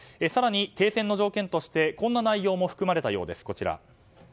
更に停戦の条件としてこんな内容も含まれたようです。